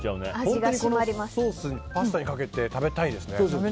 本当にこのソースパスタにかけて食べたいですね。